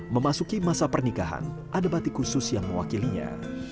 memasuki masa pernikahan ada batik khusus yang mewakilinya